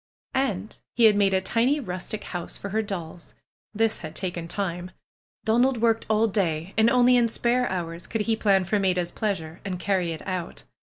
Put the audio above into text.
And he had made a tiny rustic house for her dolls. This had taken time. Donald worked all day and only in spare hours could he plan for Maida's pleasure and carry it out.